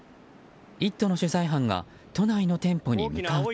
「イット！」の取材班が都内の店舗に向かうと。